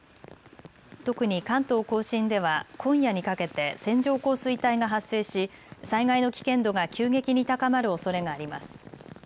特に関東甲信では今夜にかけて線状降水帯が発生し災害の危険度が急激に高まるおそれがあります。